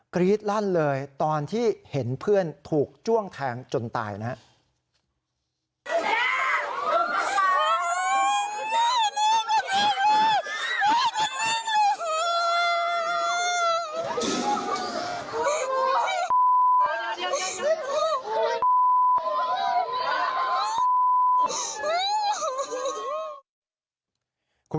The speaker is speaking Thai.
กรี๊ดลั่นเลยตอนที่เห็นเพื่อนถูกจ้วงแทงจนตายนะครับ